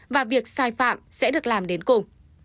và việc sai phạm sẽ được làm đến cùng